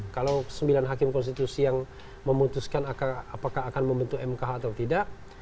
kalau sembilan hakim konstitusi yang memutuskan apakah akan membentuk mk atau tidak